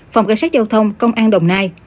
phòng cảnh sát giao thông công an đồng nai